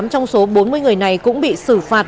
ba mươi tám trong số bốn mươi người này cũng bị xử phạt